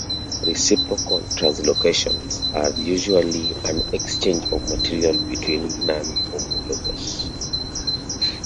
Reciprocal translocations are usually an exchange of material between nonhomologous chromosomes.